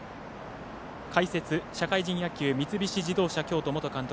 解説、社会人野球三菱自動車京都元監督